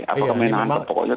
apakah main hantam